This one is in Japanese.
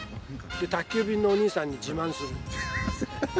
宅急便のお兄さんに自慢する。